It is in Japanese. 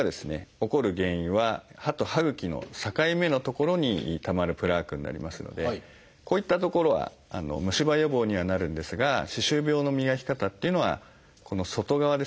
起こる原因は歯と歯ぐきの境目の所にたまるプラークになりますのでこういった所はむし歯予防にはなるんですが歯周病の磨き方っていうのはこの外側ですね。